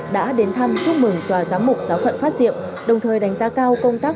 đã đến thăm chúc mừng tòa giám mục giáo phận phát diệm đồng thời đánh giá cao công tác